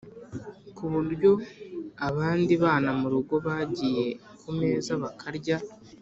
ku buryo abandi bana mu rugo bagiye ku meza bakarya